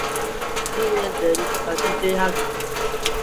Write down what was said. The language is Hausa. Aliyu na son yadda Rifkatu ta yi haka.